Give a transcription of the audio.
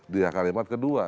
di kalimat kedua